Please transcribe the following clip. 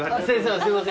すいません